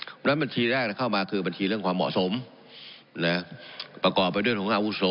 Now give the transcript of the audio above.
เพราะฉะนั้นบัญชีแรกเข้ามาคือบัญชีเรื่องความเหมาะสมประกอบไปด้วยของอาวุโส